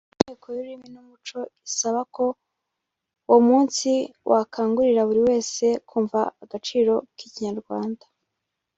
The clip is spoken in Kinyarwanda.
Inteko y’ururimi n’umuco isaba ko uwo munsi wakangurira buri wese kumva agaciro k’Ikinyarwanda